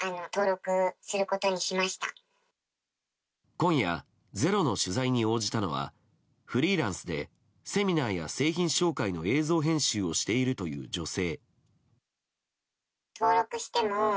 今夜、「ｚｅｒｏ」の取材に応じたのはフリーランスでセミナーや製品紹介の映像編集をしているという女性。